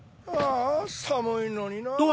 ああさむいのにな。